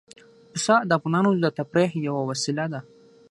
پسه د افغانانو د تفریح یوه وسیله ده.